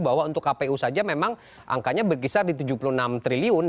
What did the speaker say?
bahwa untuk kpu saja memang angkanya berkisar di tujuh puluh enam triliun